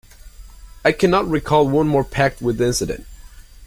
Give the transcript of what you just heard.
I cannot recall one more packed with incident.